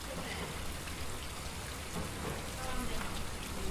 Leží na pravém břehu řeky Seiny.